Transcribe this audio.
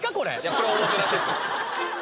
これはおもてなしですよ